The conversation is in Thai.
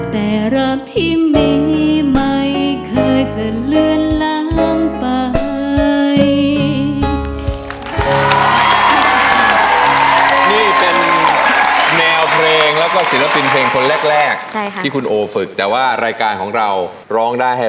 แต่รักที่มีไม่เคยจะเลือนล้างไป